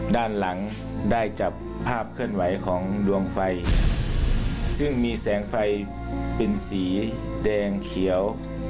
ด้านหลังได้จับภาพเคลื่อนไหวของดวงไฟซึ่งมีแสงไฟเป็นสีแดงเขียว